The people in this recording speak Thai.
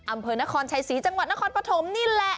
อำเภอนครชัยศรีจังหวัดนครปฐมนี่แหละ